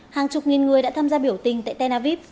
hàng chục nghìn người đã tham gia biểu tình tại tel aviv